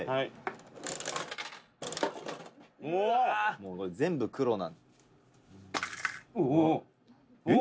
「もうこれ全部黒」「うおっ！」